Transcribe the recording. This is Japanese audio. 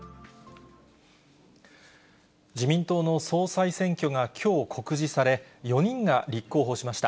自民党の総裁選挙がきょう告示され、４人が立候補しました。